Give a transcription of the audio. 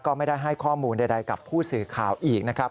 ก็ไม่ได้ให้ข้อมูลใดกับผู้สื่อข่าวอีกนะครับ